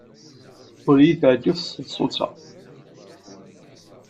Ur iyi-teɛjib tseḍsut-a.